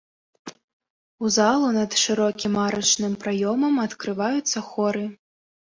У залу над шырокім арачным праёмам адкрываюцца хоры.